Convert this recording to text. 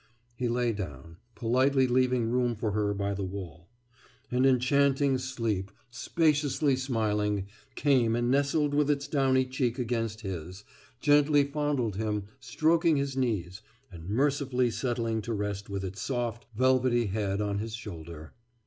« He lay down, politely leaving room for her by the wall. And enchanting sleep, spaciously smiling, came and nestled with its downy cheek against his, gently fondled him, stroking his knees, and mercifully settling to rest with its soft, velvety head on his shoulder.